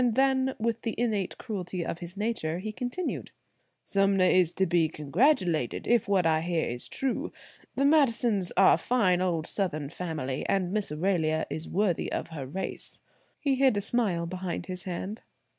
Then with the innate cruelty of his nature he continued: "Sumner is to be congratulated, if what I hear is true; the Madisons are a fine old Southern family, and Miss Aurelia is worthy of her race." He hid a smile behind his hand.